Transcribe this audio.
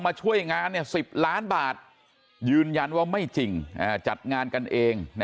ช่วยงาน๑๐ล้านบาทยืนยันว่าไม่จริงจัดงานกันเอง